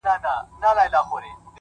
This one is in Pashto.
o زړه مي له رباب سره ياري کوي؛